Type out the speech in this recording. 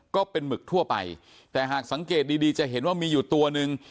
ก็เป็นหมึกทั่วไปแต่หากสังเกตดีดีจะเห็นว่ามีอยู่ตัวหนึ่ง